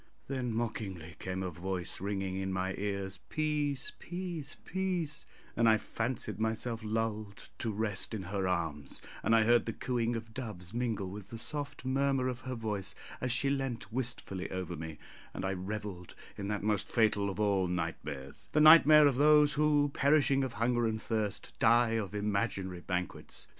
Then mockingly came a voice ringing in my ears Peace, peace, peace and I fancied myself lulled to rest in her arms, and I heard the cooing of doves mingle with the soft murmur of her voice as she leant wistfully over me, and I revelled in that most fatal of all nightmares the nightmare of those who, perishing of hunger and thirst, die of imaginary banquets.